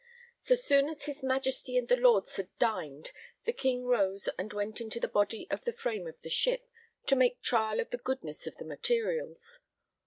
So soon as his Majesty and the Lords had dined, the King rose and went into the body of the frame of the ship, to make trial of the goodness of the materials.